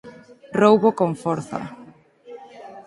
Roubo con forza.